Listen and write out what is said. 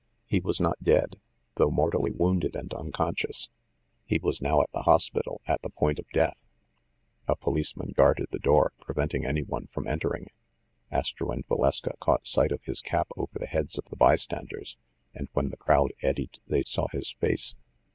He was not dead, though mor tally wounded and unconscious. He was now at the hospital, at the point of death. A policeman guarded the door, preventing any one from entering. Astro and Valeska caught sight of his cap over the heads of the bystanders, and when the crowd eddied they saw his face.